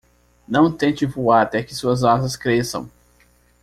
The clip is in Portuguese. Não tente voar até que suas asas cresçam!